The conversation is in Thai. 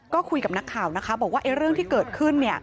ก็คุยกับนักข่าวนะคะบอกว่าเรื่องที่เกิดขึ้น